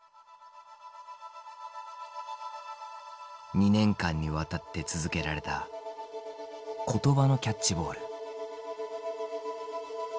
２年間にわたって続けられた言葉のキャッチボール。